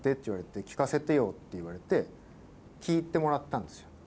言われて聴かせてよって言われて聴いてもらったんですよ。